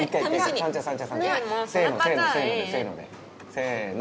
せの。